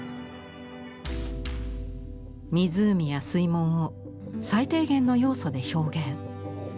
湖や水門を最低限の要素で表現。